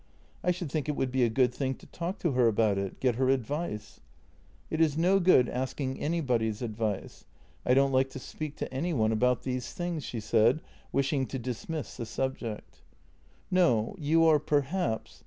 " I should think it would be a good thing to talk to her about it — get her advice." "It is no good asking anybody's advice — I don't like to speak to any one about these things," she said, wishing to dis miss the subject. "No, you are perhaps.